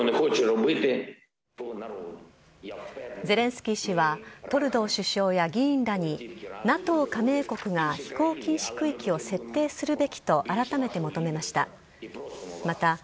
ゼレンスキー氏は、トルドー首相や議員らに、ＮＡＴＯ加盟国が飛行禁止区域を設定するべきと改めて求めました。